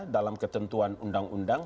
dalam ketentuan undang undang